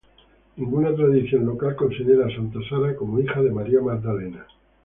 Ninguna tradición local considera a santa Sara como hija de María Magdalena.